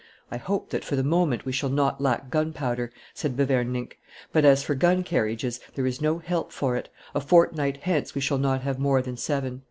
"I hope that, for the moment, we shall not lack gunpowder," said Beverninck; "but as for guncarriages there is no help for it; a fortnight hence we shall not have more than seven."